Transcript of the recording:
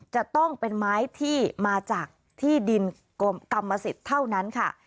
จะต้องเป็นไม้ที่มาจากที่ดินกรมกรรมสิทธิ์เท่านั้นค่ะ